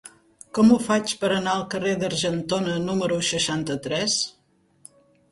Com ho faig per anar al carrer d'Argentona número seixanta-tres?